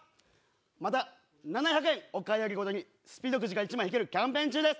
また７００円お買い上げごとにスピードくじが１枚引けるキャンペーン中です！